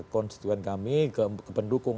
konstituen kami ke pendukung